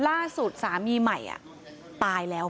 ล่าสุดสามีใหม่ตายแล้ว